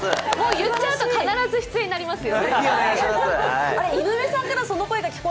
言っちゃうと必ず出演になりますよ。